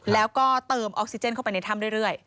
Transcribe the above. แล้วก็เติมออกซิเจนเข้าไปในถ้ำเรื่อย